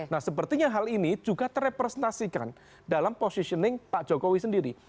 nah sepertinya hal ini juga terrepresentasikan dalam positioning pak jokowi sendiri